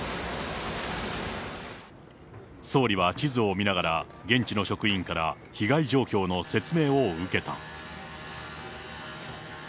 総理は地図を見ながら、現地の職員から被害状況の説明を受けた。